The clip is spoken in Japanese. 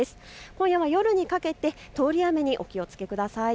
今夜は夜にかけて通り雨にお気をつけください。